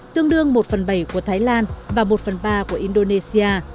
tương đương một phần bảy của thái lan và một phần ba của indonesia